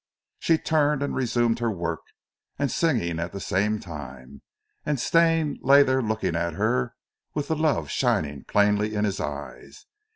She turned and resumed her work and singing at the same time, and Stane lay there looking at her with the love shining plainly in his eyes.